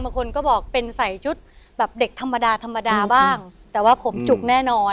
บางคนก็บอกเป็นใส่ชุดแบบเด็กธรรมดาธรรมดาบ้างแต่ว่าผมจุกแน่นอน